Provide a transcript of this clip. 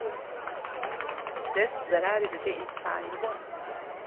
Stres zerarê dide însanî.